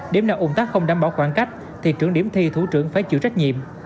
điểm nào ủng tác không đảm bảo khoảng cách thì trưởng điểm thi thủ trưởng phải chịu trách nhiệm